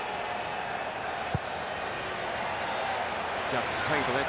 逆サイドへ。